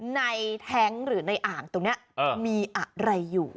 แท้งหรือในอ่างตรงนี้มีอะไรอยู่